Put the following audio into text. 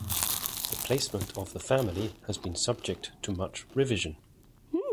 The placement of the family has been subject to much revision.